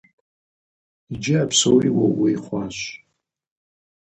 Иджы а псори уэ ууей хъуащ.